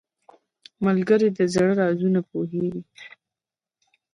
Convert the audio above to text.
ملګری د زړه رازونه پوهیږي